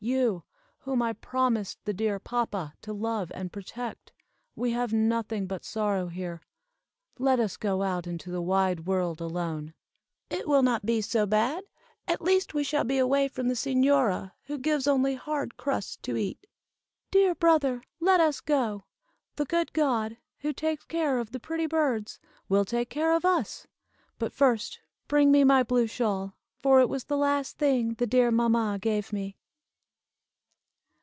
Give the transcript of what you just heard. You, whom I promised the dear papa to love and protect. We have nothing but sorrow here. Let us go out into the wide world alone. It will not be so bad at least we shall be away from the señora, who gives only hard crusts to eat." "Dear brother, let us go! The good God, who takes care of the pretty birds, will take care of us. But first bring me my blue shawl, for it was the last thing the dear mamma gave me."